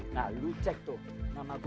mau ke syarikat tunggu